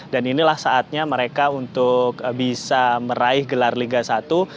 dan inilah saatnya mereka untuk bisa meraih gelar liga satu